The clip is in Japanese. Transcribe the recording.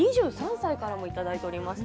２３歳の方からもいただいています。